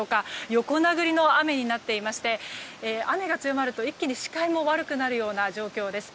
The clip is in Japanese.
横殴りの雨になっていまして雨が強まると一気に視界も悪くなるような状況です。